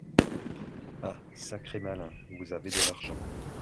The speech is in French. Ah! sacré malin, vous avez de l’argent !